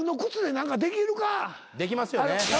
できますよね？